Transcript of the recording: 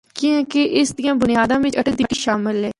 کیّاںکہ اس دیاں بنیاداں بچ اٹک دی مٹی شامل ہے۔